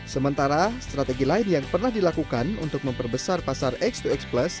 sementara strategi lain yang pernah dilakukan untuk memperbesar pasar x dua x plus